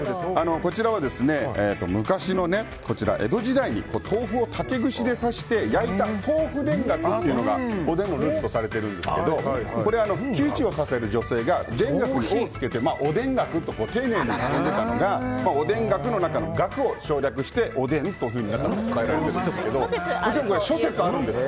こちらは、昔の江戸時代に豆腐を竹串で刺して焼いた豆腐田楽というのがおでんのルーツとされてるんですけどこれは窮地を支える女性が田楽に火を付けて丁寧に呼んでたのがお田楽の中の「楽」を省略しておでんとなったと伝えられているんです。